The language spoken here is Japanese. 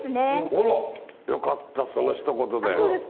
あらよかったそのひと言で。